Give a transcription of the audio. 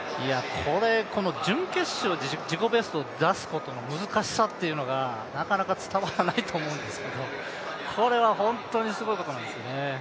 これ、この準決勝、自己ベストを出すことの難しさというのがなかなか伝わらないと思うんですけどこれは本当にすごいことなんですよね。